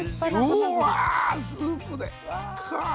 うわスープで。